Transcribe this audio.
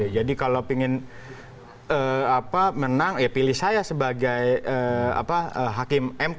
jadi kalau ingin menang pilih saya sebagai hakim mk